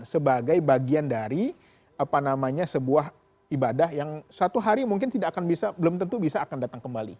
sebagai bagian dari sebuah ibadah yang satu hari mungkin tidak akan bisa belum tentu bisa akan datang kembali